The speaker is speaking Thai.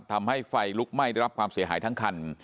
ทำให้ไฟลุกไหม้ได้รับความเสียหายทั้งคัน